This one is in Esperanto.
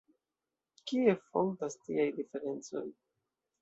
Kie fontas tiaj diferencoj?